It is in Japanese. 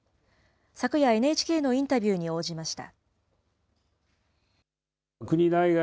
昨夜、ＮＨＫのインタビューに応じました。